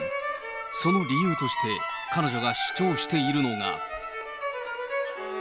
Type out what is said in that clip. その理由として、彼女が主張しているのが。